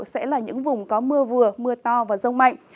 sẽ là những vùng có mưa vừa mưa to và rông mạnh